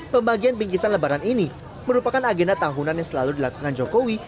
pembagian bingkisan lebaran ini merupakan agenda tahunan yang selalu dilakukan jokowi